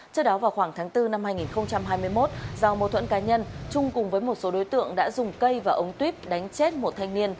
trước đó vào khoảng tháng bốn năm hai nghìn hai mươi một do mâu thuẫn cá nhân trung cùng với một số đối tượng đã dùng cây và ống tuyếp đánh chết một thanh niên